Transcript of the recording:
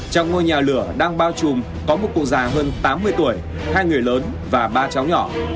trong ngôi nhà lửa đang bao trùm có một cụ già hơn tám mươi tuổi hai người lớn và ba cháu nhỏ